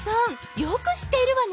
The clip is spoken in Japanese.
よく知っているわね。